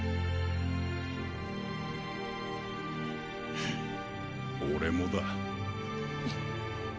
フッ俺もだ。